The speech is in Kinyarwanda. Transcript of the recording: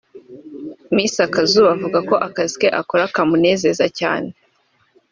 Miss Akazuba avuga ko aka kazi akora kamunezeza cyane